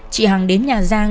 chị hằng đến nhà giang